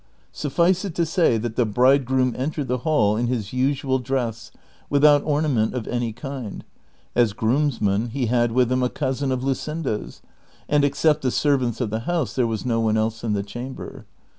Suflice it to say that the bridegroom entered the hall in his usual dress, without ornament of any kind ; as groomsman he had with him a cousin of Luscinda's, and except the servants of the house there was no one else in the chamber.